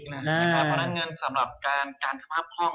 เพราะฉะนั้นเงินสำหรับการสภาพคล่อง